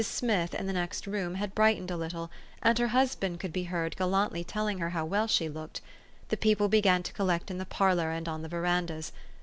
Smith, in the next room, had brightened a little ; and her husband could be heard gallantly telling her how well she looked. The people began to collect in the parlor and on the verandas.